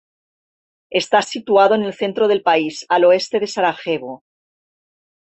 Está situado en el centro del país, al oeste de Sarajevo.